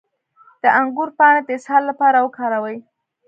د انګور پاڼې د اسهال لپاره وکاروئ